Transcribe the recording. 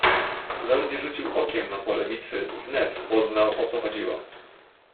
"Zaledwie rzucił okiem na pole bitwy, wnet poznał o co chodziło."